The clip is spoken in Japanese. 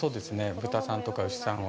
豚さんとか牛さんは。